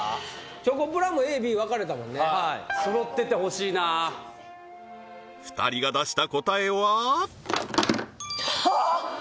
チョコプラもＡＢ分かれたもんねはいそろっててほしいな２人が出した答えは？あっ！